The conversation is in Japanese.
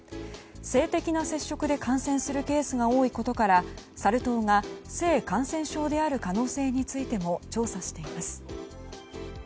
性的な接触で感染するケースが多いことからサル痘が性感染症である可能性についても調査しています。